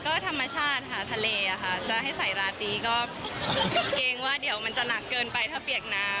ก็ธรรมชาติค่ะทะเลอะค่ะจะให้ใส่ราตรีก็เกรงว่าเดี๋ยวมันจะหนักเกินไปถ้าเปียกน้ำ